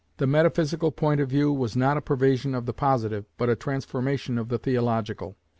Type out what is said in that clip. The metaphysical point of view was not a perversion of the positive, but a transformation of the theological.